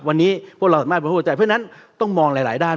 วันนี้พวกเราสามารถบริโภคใจเพราะฉะนั้นต้องมองหลายด้าน